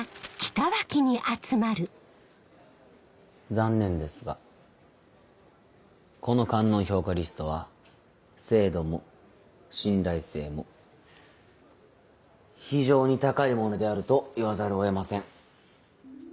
残念ですがこの官能評価リストは精度も信頼性も非常に高いものであると言わざるを得ません。